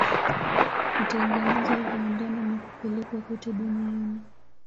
Hutengenezwa viwandani na kupelekwa kote duniani.